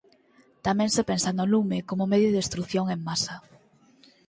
Tamén se pensa no lume como medio de destrución en masa.